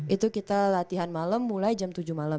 itu kita latihan malem mulai jam tujuh malem